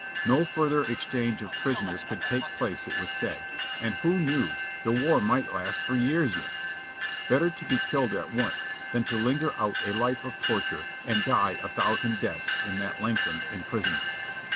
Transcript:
No further exchange of prisoners could take place it was said, and who knew — the war might last for years yet. Better be killed at once than to linger out a life of torture and die a thousand deaths in lengthened imprisonment.